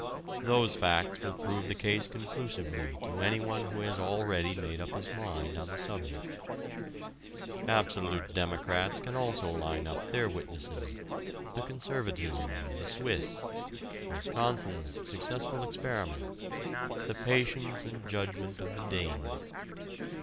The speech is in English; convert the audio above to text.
Those facts will prove the case conclusively to anyone who has already made up his mind on the subject. Absolute democrats can also line up their witnesses: the conservatism of the Swiss, Wisconsin's successful experiments, the patience and judgment of the Danes.